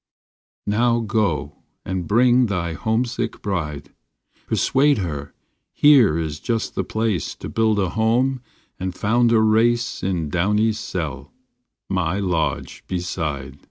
Now go and bring thy homesick bride, Persuade her here is just the place To build a home and found a race In Downy s cell, my lodge beside.